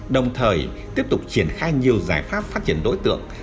đồng thời tiếp tục triển khai nhiều giải pháp phát triển đối tượng